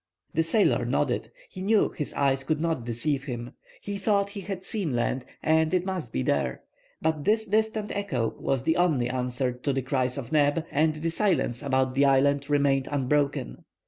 The sailor nodded; he knew his eyes could not deceive him. He thought he had seen land, and it must be there. But this distant echo was the only answer to the cries of Neb, and the silence about the island remained unbroken.